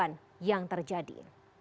dan yang terjadi